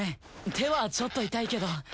手はちょっと痛いけど。